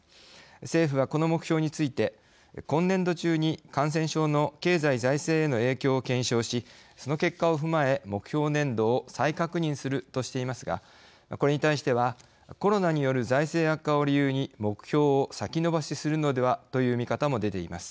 政府はこの目標について今年度中に、感染症の経済財政への影響を検証しその結果を踏まえ目標年度を再確認するとしていますが、これに対してはコロナによる財政悪化を理由に目標を先延ばしするのではという見方も出ています。